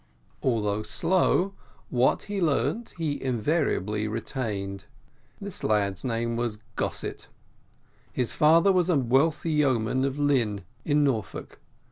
Although slow, what he learned he invariably retained. This lad's name was Gossett. His father was a wealthy yeoman of Lynn, in Norfolk.